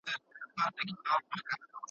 شاعر هڅه کوي خوندور متن ولیکي.